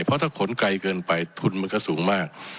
เพราะถ้าขนไกลเกินไปทุนมันก็สูงมาก